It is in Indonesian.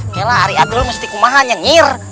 kayaknya hari adol mesti kumahanya jirr